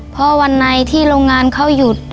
พอวันในที่โรงงานเขาหยุด